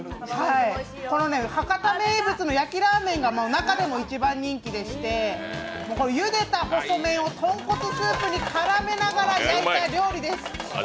この博多名物の焼ラーメンが中でも一番人気でして、ゆでた細麺を豚骨スープに絡めながら焼いた料理です。